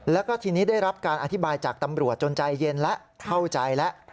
แล้วก็ทีนี้ได้รับการอธิบายจากตำรวจจนใจเย็นแล้วเข้าใจแล้ว